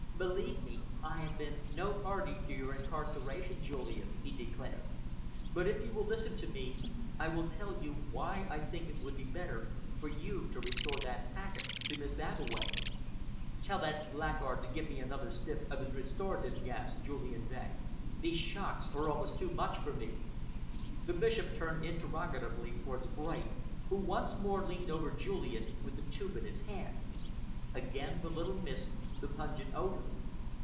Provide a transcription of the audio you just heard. "Believe me, I have been no party to your incarceration, Julian,", he declared, "but if you will listen to me, I will tell you why I think it would be better for you to restore that packet to Miss Abbeway:" "Tell that blackguard to give me another sniff of his restorative gas," Julian begged. "These shocks are almost too much for me." The Bishop turned interrogatively towards Bright, who once more leaned over Julian with the tube in his hand. Again the little mist, the pungent odour.